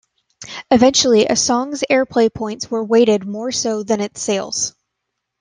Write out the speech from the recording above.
Eventually, a song's airplay points were weighted more so than its sales.